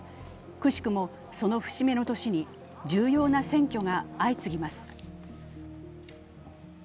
くしくも、その節目の年に重要な選挙が相次ぎます。